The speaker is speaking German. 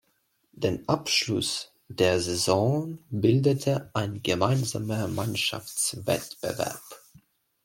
Den Abschluss der Saison bildete ein gemeinsamer Mannschaftswettbewerb.